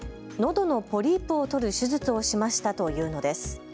どのポリープを取る手術をしましたと言うのです。